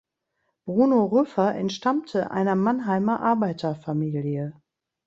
Bruno Rüffer entstammte einer Mannheimer Arbeiterfamilie.